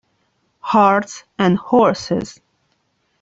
Hearts and Horses